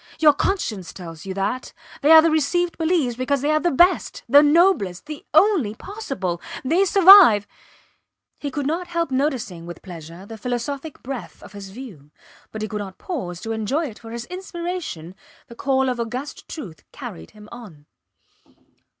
Your conscience tells you that. They are the received beliefs because they are the best, the noblest, the only possible. They survive. ... He could not help noticing with pleasure the philosophic breadth of his view, but he could not pause to enjoy it, for his inspiration, the call of august truth, carried him on.